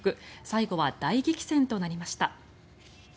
最後は大激戦となりました。